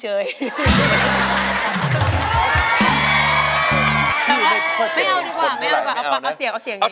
รูมีปาน